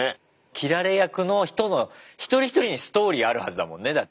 斬られ役の人の一人一人にストーリーあるはずだもんねだって。